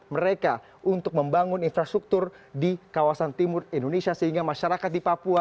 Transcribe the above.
berikut selantur yang ada